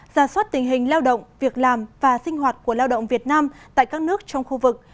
ra soát tình hình lao động việc làm và sinh hoạt của lao động việt nam tại các nước trong khu vực